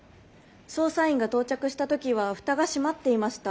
捜査員が到着した時は蓋が閉まっていました。